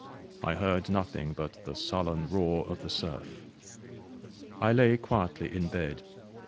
I heard nothing but the sullen roar of the surf. I lay quietly in bed.